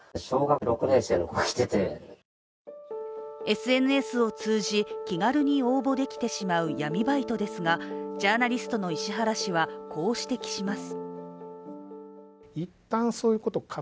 ＳＮＳを通じ、気軽に応募できてしまう闇バイトですが、ジャーナリストの石原氏はこう指摘します。